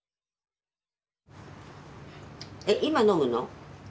えっ今飲むの？